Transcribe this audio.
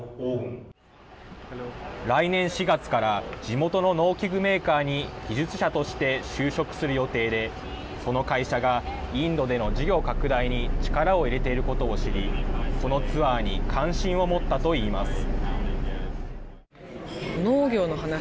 来年４月から地元の農機具メーカーに技術者として就職する予定でその会社がインドでの事業拡大に力を入れていることを知りこのツアーに関心を持ったといいます。